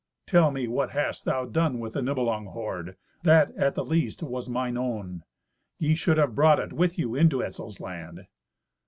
"Tell me what thou hast done with the Nibelung hoard. That, at the least, was mine own. Ye should have brought it with you into Etzel's land."